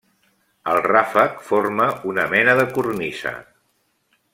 El ràfec forma una mena de cornisa.